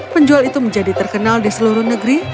penjual itu menjadi terkenal di seluruh negeri